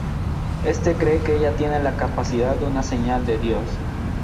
Este cree que ella tiene la capacidad de una señal de Dios.